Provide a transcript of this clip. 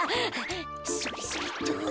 それっそれっと。